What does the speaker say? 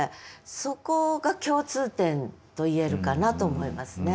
そこが共通点と言えるかなと思いますね。